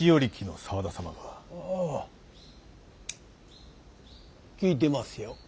ああ聞いてますよ。